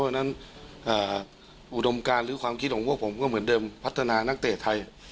เพราะฉะนั้นอุดมการหรือความคิดของพวกผมก็เหมือนเดิมพัฒนานักเตะไทย